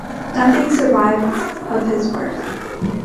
Nothing survives of his works.